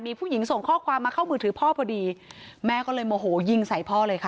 มีผู้หญิงส่งข้อความมาเข้ามือถือพ่อพอดีแม่ก็เลยโมโหยิงใส่พ่อเลยค่ะ